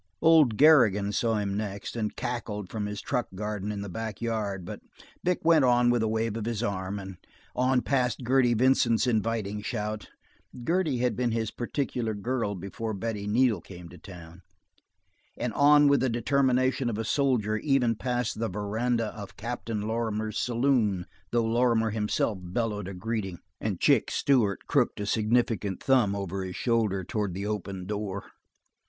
Old Garrigan saw him next and cackled from his truck garden in the backyard, but Vic went on with a wave of his arm, and on past Gertie Vincent's inviting shout (Gertie had been his particular girl before Betty Neal came to town), and on with the determination of a soldier even past the veranda of Captain Lorrimier's saloon, though Lorrimer himself bellowed a greeting and "Chick" Stewart crooked a significant thumb over his shoulder towards the open door.